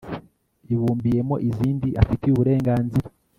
ibumbiyemo izindi afitiye uburenganzira